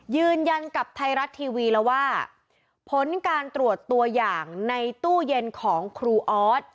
ยืนยันกับไทยรัฐทีวีแล้วว่าผลการตรวจตัวอย่างในตู้เย็นของครูออส